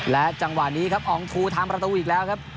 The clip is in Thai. และจังหวะนี้ครับอองทูทำประตูอีกแล้วครับ